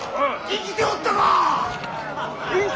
生きておったか！